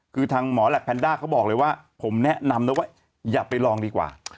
คือทางหมอแหลปแพนด้าเขาบอกเลยว่าผมแนะนำนะว่าอย่าไปลองดีกว่า